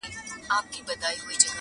چا په نيمه شپه كي غوښتله ښكارونه٫